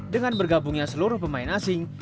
dengan bergabungnya seluruh pemain asing